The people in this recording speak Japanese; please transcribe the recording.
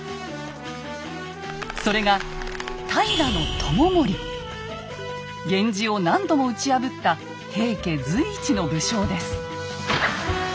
それが源氏を何度も打ち破った平家随一の武将です。